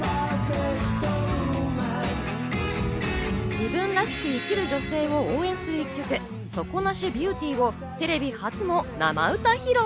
自分らしく生きる女性を応援する１曲、『底無しビューティー』をテレビ初の生歌披露。